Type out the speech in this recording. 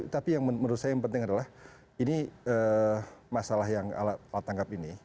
tapi yang menurut saya yang penting adalah ini masalah yang alat tangkap ini